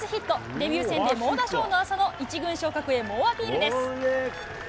デビュー戦で猛打賞の浅野、１軍昇格へ猛アピールです。